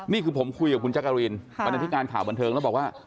นี่คือผมคุยกับคุณจักรีนบรรณาธิการข่าวบันเทิงแล้วบอกว่า